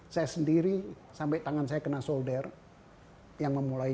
saya sendiri sampai tangan saya kena solder yang memulai